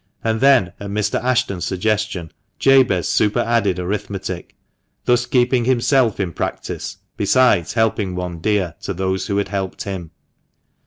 And then, at Mr. Ashton's suggestion, Jabez superadded arithmetic, thus keeping himself in practice, besides helping one dear to those who had helped him.